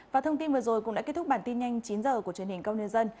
và thông tin vừa rồi cũng đã kết thúc bản tin nhanh chín h của truyền hình công nhân dân